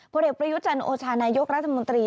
เด็กประยุจันทร์โอชานายกรัฐมนตรี